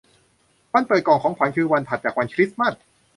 วันเปิดกล่องของขวัญคือวันถัดจากวันคริสต์มาส